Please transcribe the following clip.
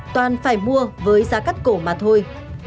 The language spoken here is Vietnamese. toàn phải mua với giá cắt cổ mà thôi